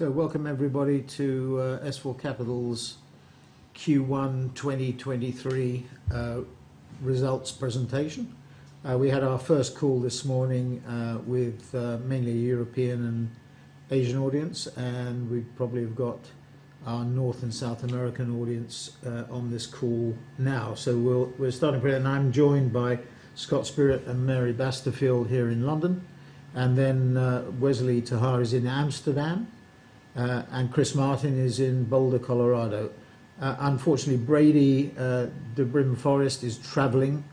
Welcome everybody to S4 Capital's Q1 2023 results presentation. We had our first call this morning with mainly European and Asian audience, and we probably have got our North and South American audience on this call now. I'm joined by Scott Spirit and Mary Basterfield here in London, then Wesley ter Haar is in Amsterdam, and Chris Martin is in Boulder, Colorado. Unfortunately, Brady Brim-DeForest is traveling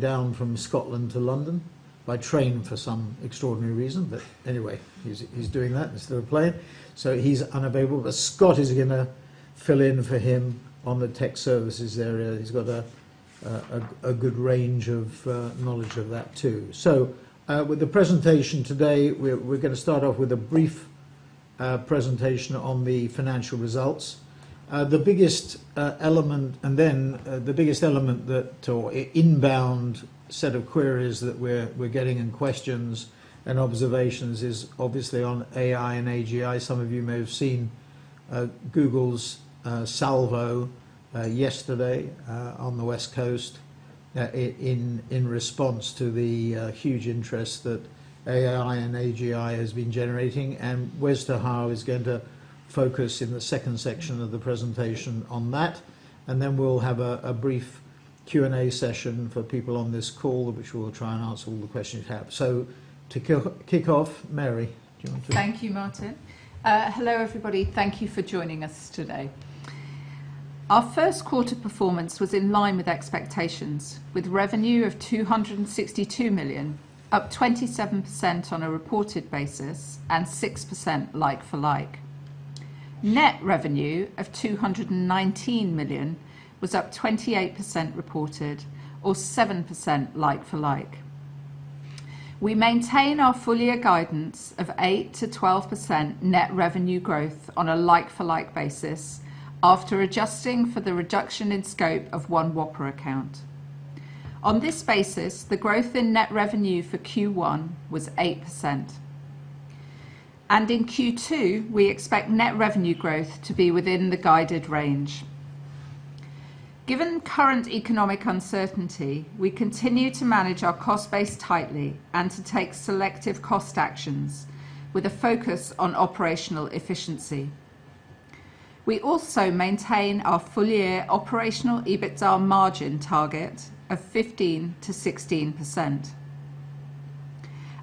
down from Scotland to London by train for some extraordinary reason. Anyway, he's doing that instead of plane, so he's unavailable. Scott is gonna fill in for him on the tech services area. He's got a good range of knowledge of that too. With the presentation today, we're gonna start off with a brief presentation on the financial results. The biggest element that inbound set of queries that we're getting and questions and observations is obviously on AI and AGI. Some of you may have seen Google's Salvo yesterday on the West Coast in response to the huge interest that AI and AGI has been generating. Wes ter Haar is going to focus in the second section of the presentation on that. We'll have a brief Q&A session for people on this call, which we'll try and answer all the questions you have. To kick off, Mary, do you want. Thank you, Martin. Hello everybody. Thank you for joining us today. Our first quarter performance was in line with expectations with revenue of 262 million, up 27% on a reported basis and 6% like-for-like. Net revenue of 219 million was up 28% reported or 7% like-for-like. We maintain our full year guidance of 8%-12% net revenue growth on a like-for-like basis after adjusting for the reduction in scope of one Whopper account. On this basis, the growth in net revenue for Q1 was 8%. In Q2, we expect net revenue growth to be within the guided range. Given current economic uncertainty, we continue to manage our cost base tightly and to take selective cost actions with a focus on operational efficiency. We also maintain our full year operational EBITDA margin target of 15%-16%.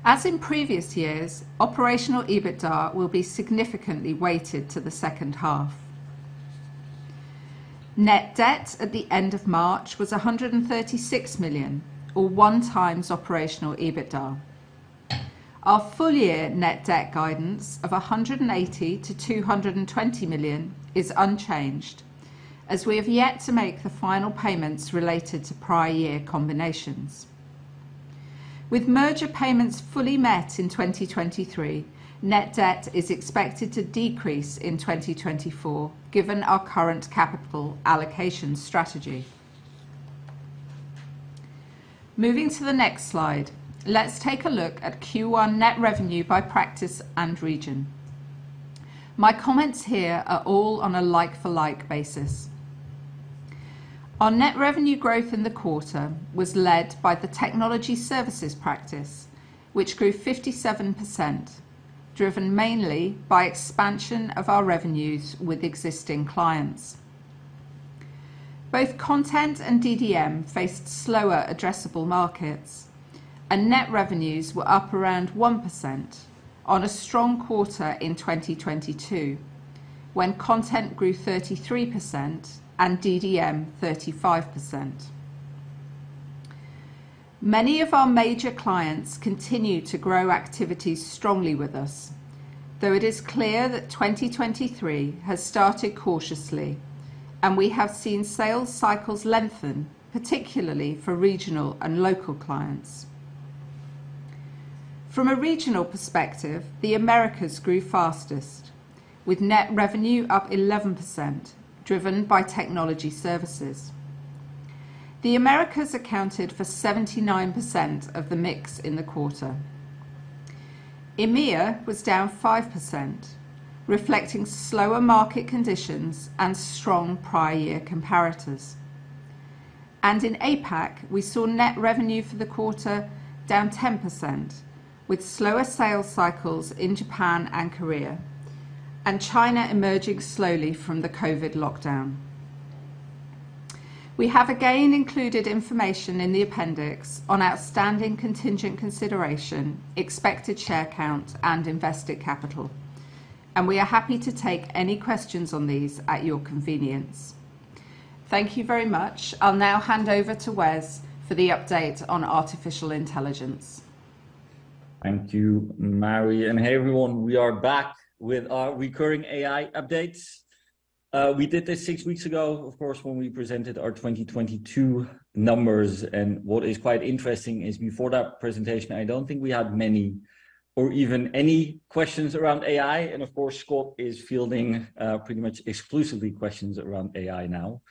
As in previous years, operational EBITDA will be significantly weighted to the second half. Net debt at the end of March was 136 million or 1 times operational EBITDA. Our full year net debt guidance of 180 million-220 million is unchanged as we have yet to make the final payments related to prior year combinations. With merger payments fully met in 2023, net debt is expected to decrease in 2024 given our current capital allocation strategy. Moving to the next slide, let's take a look at Q1 net revenue by practice and region. My comments here are all on a like-for-like basis. Our net revenue growth in the quarter was led by the Technology services practice, which grew 57%, driven mainly by expansion of our revenues with existing clients. Both Content and DDM faced slower addressable markets. Net revenues were up around 1% on a strong quarter in 2022, when Content grew 33% and DDM 35%. Many of our major clients continue to grow activities strongly with us, though it is clear that 2023 has started cautiously. We have seen sales cycles lengthen, particularly for regional and local clients. From a regional perspective, the Americas grew fastest with net revenue up 11% driven by Technology services. The Americas accounted for 79% of the mix in the quarter. EMEA was down 5%, reflecting slower market conditions and strong prior year comparators. In APAC, we saw net revenue for the quarter down 10% with slower sales cycles in Japan and Korea, and China emerging slowly from the COVID lockdown. We have again included information in the appendix on outstanding contingent consideration, expected share count and invested capital. We are happy to take any questions on these at your convenience. Thank you very much. I'll now hand over to Wes for the update on artificial intelligence. Thank you, Mary. Hey everyone, we are back with our recurring AI updates. We did this six weeks ago, of course, when we presented our 2022 numbers. What is quite interesting is before that presentation, I don't think we had many or even any questions around AI. Of course, Scott is fielding, pretty much exclusively questions around AI now.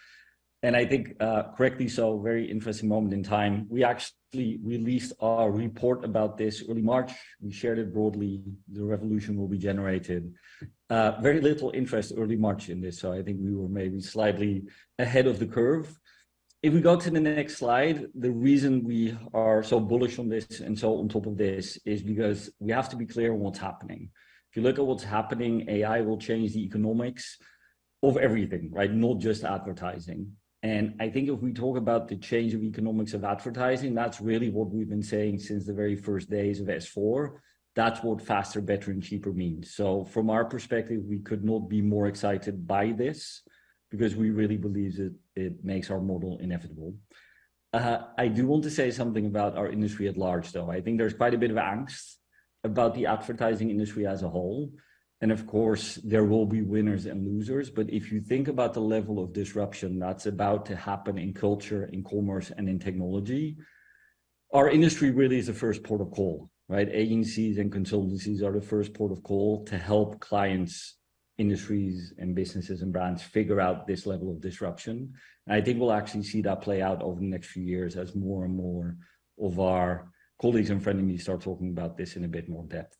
I think, correctly so, very interesting moment in time. We actually released our report about this early March. We shared it broadly, The Revolution Will Be Generated. Very little interest early March in this, I think we were maybe slightly ahead of the curve. We go to the next slide, the reason we are so bullish on this and so on top of this is because we have to be clear on what's happening. You look at what's happening, AI will change the economics of everything, right? Not just advertising. I think if we talk about the change of economics of advertising, that's really what we've been saying since the very first days of S4. That's what faster, better, and cheaper means. From our perspective, we could not be more excited by this because we really believe that it makes our model inevitable. I do want to say something about our industry at large, though. I think there's quite a bit of angst about the advertising industry as a whole, and of course, there will be winners and losers. If you think about the level of disruption that's about to happen in culture, in commerce, and in technology, our industry really is the first port of call, right? Agencies and consultancies are the first port of call to help clients, industries, and businesses, and brands figure out this level of disruption. I think we'll actually see that play out over the next few years as more and more of our colleagues and frenemies start talking about this in a bit more depth.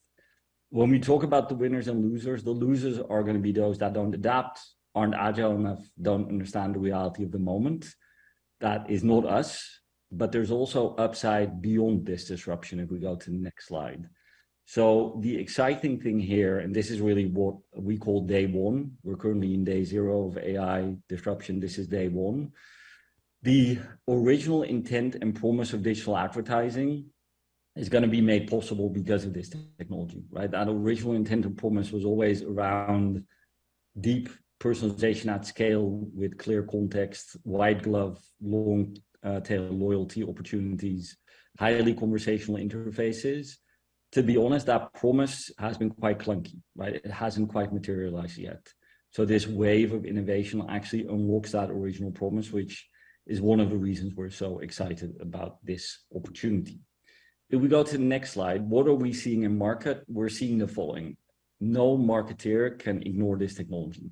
When we talk about the winners and losers, the losers are gonna be those that don't adapt, aren't agile enough, don't understand the reality of the moment. That is not us, but there's also upside beyond this disruption if we go to the next slide. The exciting thing here, and this is really what we call day one, we're currently in day zero of AI disruption, this is day one. The original intent and promise of digital advertising is gonna be made possible because of this technology, right? That original intent and promise was always around deep personalization at scale with clear context, white glove, long tail loyalty opportunities, highly conversational interfaces. To be honest, that promise has been quite clunky, right? It hasn't quite materialized yet. This wave of innovation actually unlocks that original promise, which is one of the reasons we're so excited about this opportunity. If we go to the next slide, what are we seeing in market? We're seeing the following: No marketer can ignore this technology.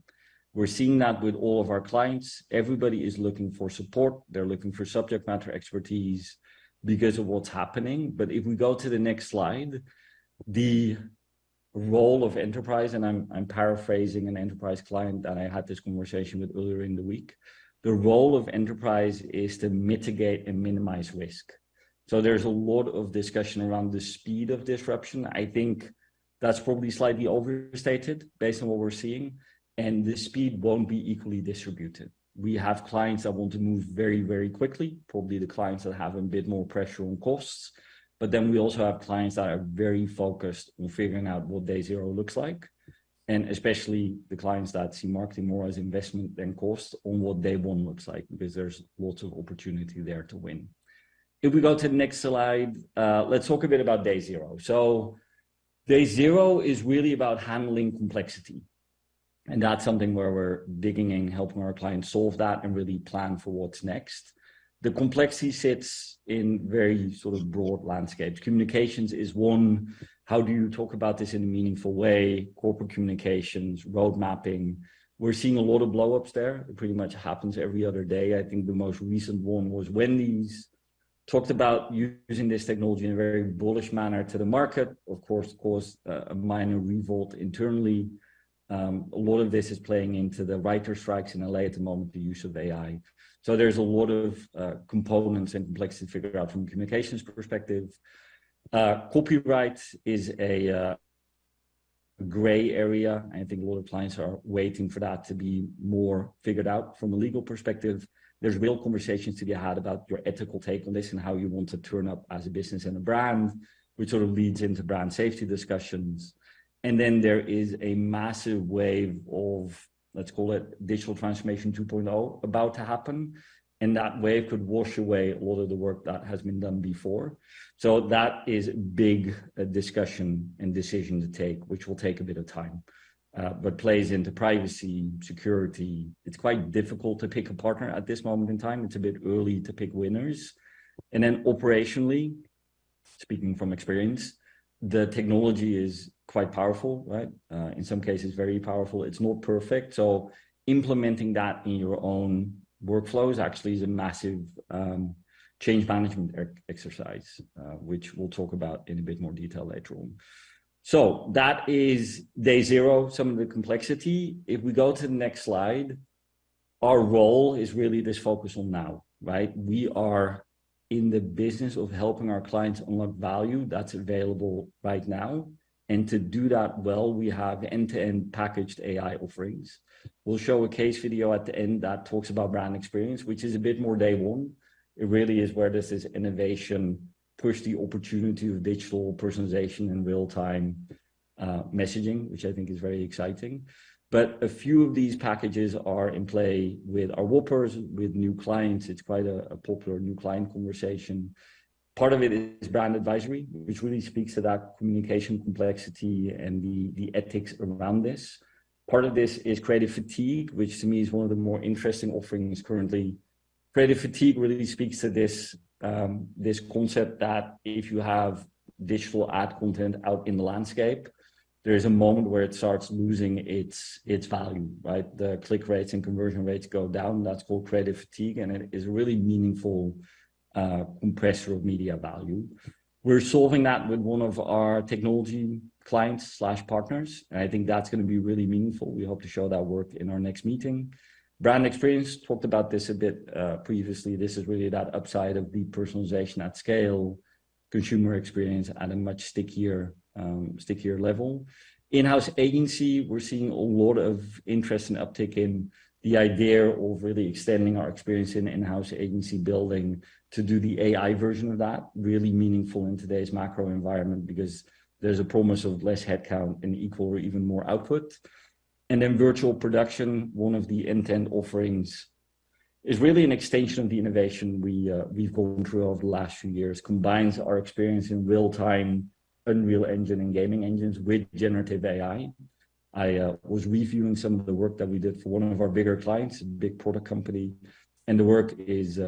We're seeing that with all of our clients. Everybody is looking for support. They're looking for subject matter expertise because of what's happening. If we go to the next slide, the role of enterprise, and I'm paraphrasing an enterprise client that I had this conversation with earlier in the week. The role of enterprise is to mitigate and minimize risk. There's a lot of discussion around the speed of disruption. I think that's probably slightly overstated based on what we're seeing, and the speed won't be equally distributed. We have clients that want to move very, very quickly, probably the clients that have a bit more pressure on costs, we also have clients that are very focused on figuring out what day zero looks like, and especially the clients that see marketing more as investment than cost on what day one looks like because there's lots of opportunity there to win. If we go to the next slide, let's talk a bit about day zero. Day zero is really about handling complexity, and that's something where we're digging and helping our clients solve that and really plan for what's next. The complexity sits in very sort of broad landscapes. Communications is one. How do you talk about this in a meaningful way? Corporate communications, road mapping. We're seeing a lot of blow-ups there. It pretty much happens every other day. I think the most recent one was Wendy's talked about using this technology in a very bullish manner to the market. Of course, caused a minor revolt internally. A lot of this is playing into the writer strikes in L.A. at the moment, the use of AI. There's a lot of components and complexity to figure out from a communications perspective. Copyright is a gray area. I think a lot of clients are waiting for that to be more figured out from a legal perspective. There's real conversations to be had about your ethical take on this and how you want to turn up as a business and a brand, which sort of leads into brand safety discussions. There is a massive wave of, let's call it Digital Transformation 2.0 about to happen, and that wave could wash away a lot of the work that has been done before. That is big discussion and decision to take, which will take a bit of time, but plays into privacy, security. It's quite difficult to pick a partner at this moment in time. It's a bit early to pick winners. Operationally, speaking from experience, the technology is quite powerful, right? In some cases very powerful. It's not perfect, so implementing that in your own workflows actually is a massive change management exercise, which we'll talk about in a bit more detail later on. That is day zero, some of the complexity. We go to the next slide, our role is really this focus on now, right? We are in the business of helping our clients unlock value that's available right now. To do that well, we have end-to-end packaged AI offerings. We'll show a case video at the end that talks about brand experience, which is a bit more day one. It really is where this is innovation, push the opportunity of digital personalization and real-time messaging, which I think is very exciting. A few of these packages are in play with our whoppers, with new clients. It's quite a popular new client conversation. Part of it is brand advisory, which really speaks to that communication complexity and the ethics around this. Part of this is creative fatigue, which to me is one of the more interesting offerings currently. Creative fatigue really speaks to this concept that if you have digital ad content out in the landscape, there is a moment where it starts losing its value, right? The click rates and conversion rates go down. That's called creative fatigue, and it is a really meaningful compressor of media value. We're solving that with one of our technology clients/partners. I think that's gonna be really meaningful. We hope to show that work in our next meeting. Brand experience. Talked about this a bit previously. This is really that upside of deep personalization at scale, consumer experience at a much stickier level. In-house agency, we're seeing a lot of interest and uptick in the idea of really extending our experience in in-house agency building to do the AI version of that, really meaningful in today's macro environment because there's a promise of less headcount and equal or even more output. Virtual production, one of the intent offerings, is really an extension of the innovation we've gone through over the last few years, combines our experience in real-time, Unreal Engine and gaming engines with generative AI. I was reviewing some of the work that we did for one of our bigger clients, a big product company, and the work is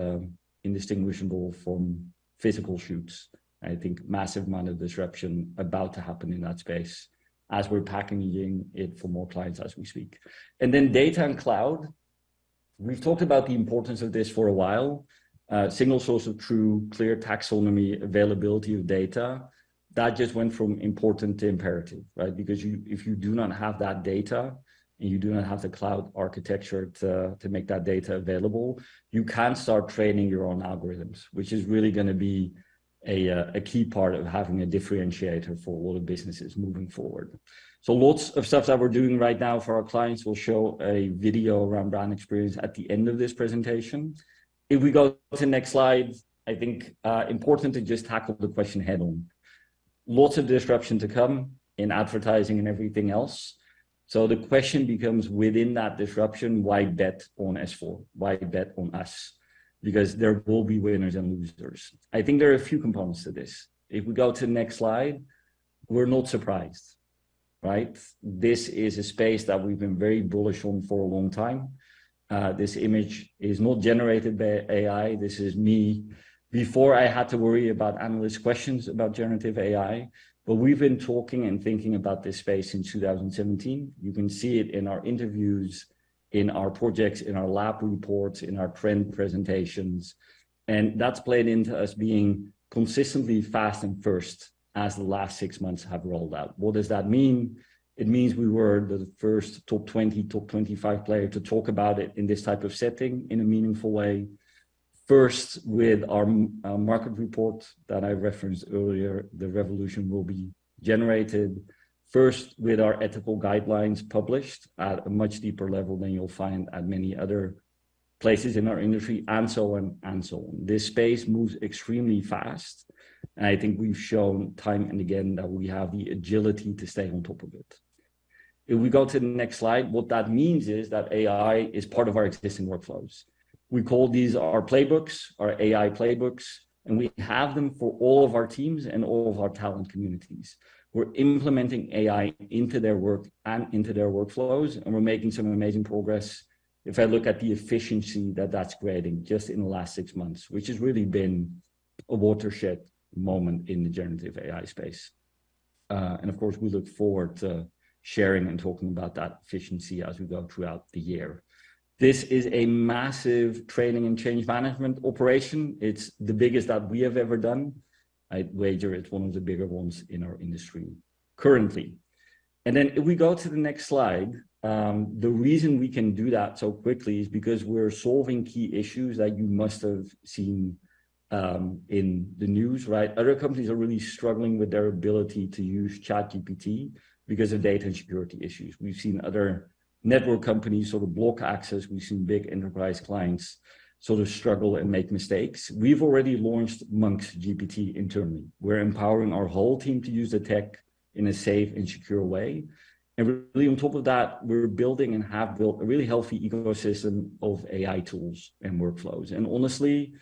indistinguishable from physical shoots. I think massive amount of disruption about to happen in that space as we're packaging it for more clients as we speak. Data and cloud. We've talked about the importance of this for a while. Single source of truth, clear taxonomy, availability of data. That just went from important to imperative, right? Because if you do not have that data, and you do not have the cloud architecture to make that data available, you can't start training your own algorithms, which is really gonna be a key part of having a differentiator for all the businesses moving forward. Lots of stuff that we're doing right now for our clients. We'll show a video around brand experience at the end of this presentation. If we go to the next slide, I think, important to just tackle the question head-on. Lots of disruption to come in advertising and everything else. The question becomes, within that disruption, why bet on S4? Why bet on us? There will be winners and losers. I think there are a few components to this. If we go to next slide, we're not surprised, right? This is a space that we've been very bullish on for a long time. This image is not generated by AI. This is me before I had to worry about analyst questions about generative AI. We've been talking and thinking about this space since 2017. You can see it in our interviews, in our projects, in our lab reports, in our trend presentations. That's played into us being consistently fast and first as the last six months have rolled out. What does that mean? It means we were the first top 20-top 25 player to talk about it in this type of setting in a meaningful way. First, with our market report that I referenced earlier, The Revolution Will Be Generated. First, with our ethical guidelines published at a much deeper level than you'll find at many other places in our industry, and so on and so on. This space moves extremely fast, and I think we've shown time and again that we have the agility to stay on top of it. If we go to the next slide, what that means is that AI is part of our existing workflows. We call these our playbooks, our AI playbooks, and we have them for all of our teams and all of our talent communities. We're implementing AI into their work and into their workflows, and we're making some amazing progress. If I look at the efficiency that that's creating just in the last six months, which has really been a watershed moment in the generative AI space. We look forward to sharing and talking about that efficiency as we go throughout the year. This is a massive training and change management operation. It's the biggest that we have ever done. I'd wager it's one of the bigger ones in our industry currently. If we go to the next slide, the reason we can do that so quickly is because we're solving key issues that you must have seen in the news, right? Other companies are really struggling with their ability to use ChatGPT because of data and security issues. We've seen other network companies sort of block access. We've seen big enterprise clients sort of struggle and make mistakes. We've already launched MonkGPT internally. We're empowering our whole team to use the tech in a safe and secure way. Really, on top of that, we're building and have built a really healthy ecosystem of AI tools and workflows. Honestly,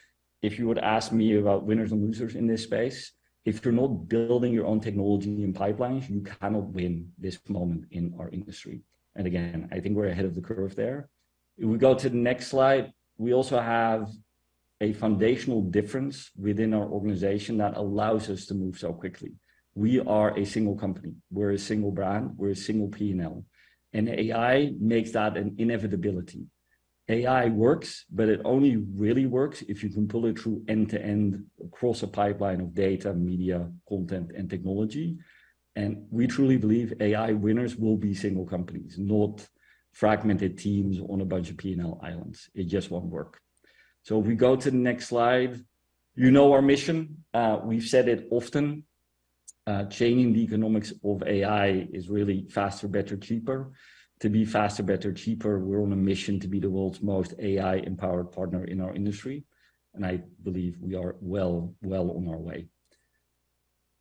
if you were to ask me about winners and losers in this space, if you're not building your own technology and pipelines, you cannot win this moment in our industry. Again, I think we're ahead of the curve there. If we go to the next slide, we also have a foundational difference within our organization that allows us to move so quickly. We are a single company. We're a single brand. We're a single P&L. AI makes that an inevitability. AI works, but it only really works if you can pull it through end-to-end across a pipeline of data, media, Content, and technology. We truly believe AI winners will be single companies, not fragmented teams on a bunch of P&L islands. It just won't work. If we go to the next slide, you know our mission. We've said it often. Changing the economics of AI is really faster, better, cheaper. To be faster, better, cheaper, we're on a mission to be the world's most AI-empowered partner in our industry, and I believe we are well on our way.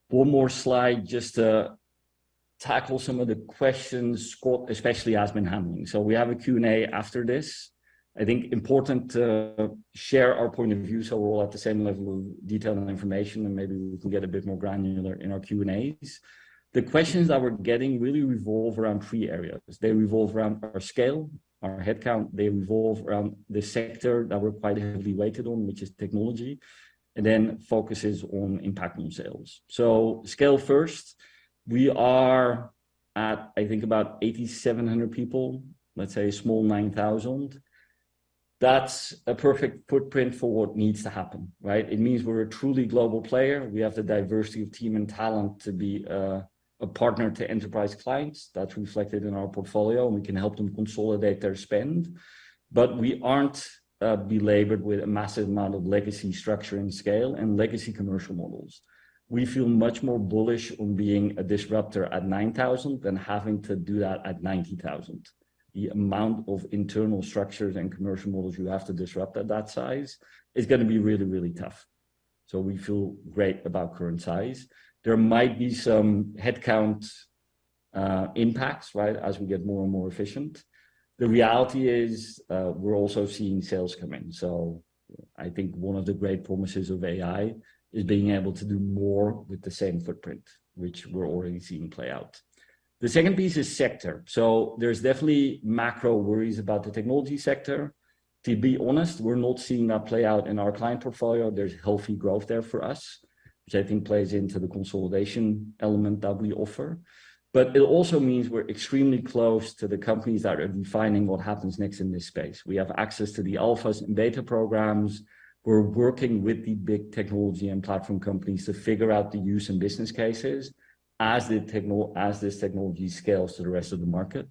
One more slide just to tackle some of the questions Scott, especially, has been handling. We have a Q&A after this. I think important to share our point of view so we're all at the same level of detail and information, and maybe we can get a bit more granular in our Q&As. The questions that we're getting really revolve around three areas. They revolve around our scale, our headcount. They revolve around the sector that we're quite heavily weighted on, which is technology. Then focuses on impact on sales. Scale first. We are at, I think, about 8,700 people. Let's say a small 9,000. That's a perfect footprint for what needs to happen, right? It means we're a truly global player. We have the diversity of team and talent to be a partner to enterprise clients. That's reflected in our portfolio, and we can help them consolidate their spend. We aren't belabored with a massive amount of legacy structure and scale and legacy commercial models. We feel much more bullish on being a disruptor at 9,000 than having to do that at 90,000. The amount of internal structures and commercial models you have to disrupt at that size is gonna be really, really tough. We feel great about current size. There might be some headcount impacts, right, as we get more and more efficient. The reality is, we're also seeing sales come in. I think one of the great promises of AI is being able to do more with the same footprint, which we're already seeing play out. The second piece is sector. There's definitely macro worries about the technology sector. To be honest, we're not seeing that play out in our client portfolio. There's healthy growth there for us, which I think plays into the consolidation element that we offer. It also means we're extremely close to the companies that are defining what happens next in this space. We have access to the alphas and beta programs. We're working with the big technology and platform companies to figure out the use and business cases as the... as this technology scales to the rest of the market.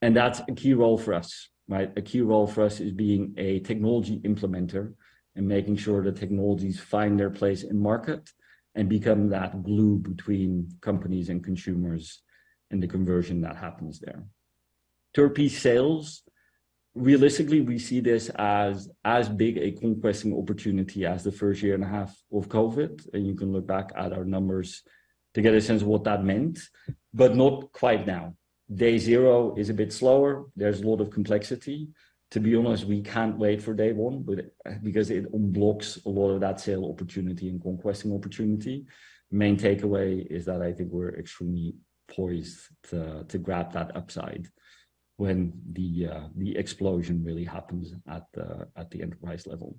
That's a key role for us, right? A key role for us is being a technology implementer and making sure the technologies find their place in market and become that glue between companies and consumers and the conversion that happens there. Third piece, sales. Realistically, we see this as big a conquesting opportunity as the first year and a half of COVID. You can look back at our numbers to get a sense of what that meant, but not quite now. Day zero is a bit slower. There's a lot of complexity. To be honest, we can't wait for Day one because it unblocks a lot of that sale opportunity and conquesting opportunity. Main takeaway is that I think we're extremely poised to grab that upside when the explosion really happens at the enterprise level.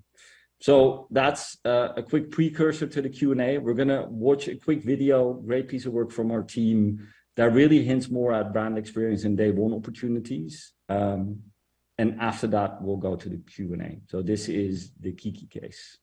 That's a quick precursor to the Q&A. We're gonna watch a quick video, great piece of work from our team that really hints more at brand experience and day one opportunities. After that, we'll go to the Q&A. This is the KIKI case.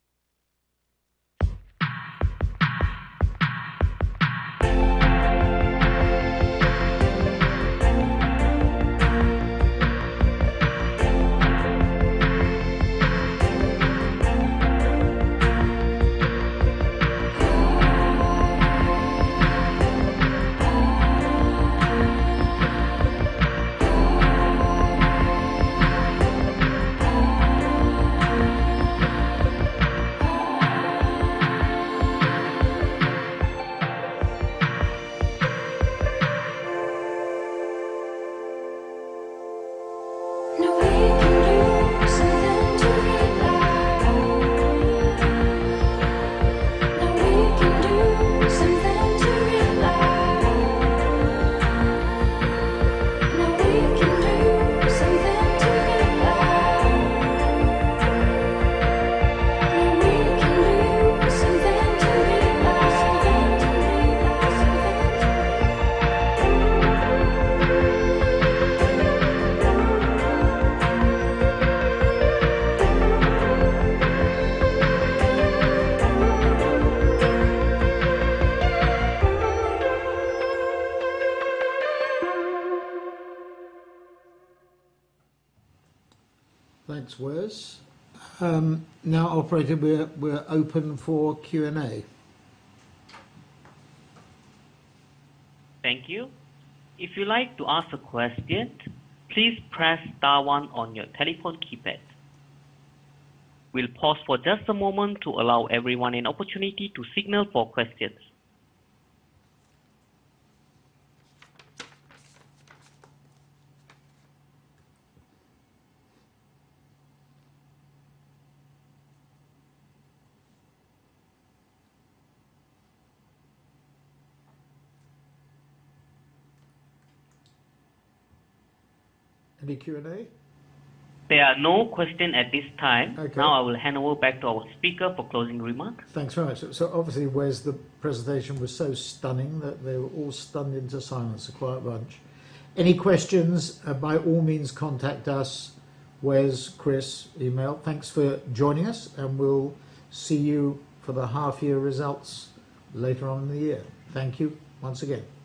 Thanks, Wes. Now operator, we're open for Q&A. Thank you. If you'd like to ask a question, please press star one on your telephone keypad. We'll pause for just a moment to allow everyone an opportunity to signal for questions. Any Q&A? There are no questions at this time. Okay. I will hand over back to our speaker for closing remarks. Thanks very much. Obviously, Wes, the presentation was so stunning that they were all stunned into silence, a quiet bunch. Any questions, by all means, contact us. Wes, Chris, email. Thanks for joining us. We'll see you for the half year results later on in the year. Thank you once again.